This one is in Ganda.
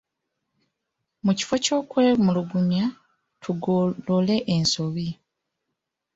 Mu kifo ky'okwemulugunya, tugolole ensobi.